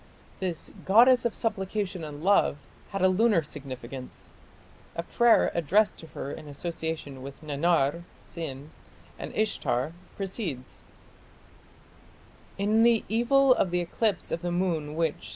This "goddess of supplication and love" had a lunar significance. A prayer addressed to her in association with Nannar (Sin) and Ishtar, proceeds: In the evil of the eclipse of the moon which